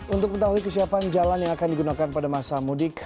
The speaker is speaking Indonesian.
untuk mengetahui kesiapan jalan yang akan digunakan pada masa mudik